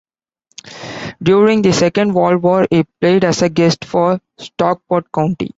During the Second World War, he played as a guest for Stockport County.